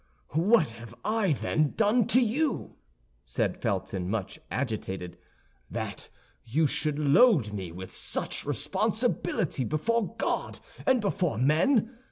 "What have I, then, done to you," said Felton, much agitated, "that you should load me with such a responsibility before God and before men?